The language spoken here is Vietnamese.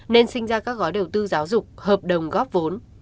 nên sinh ra các gói đầu tư giáo dục hợp đồng góp vốn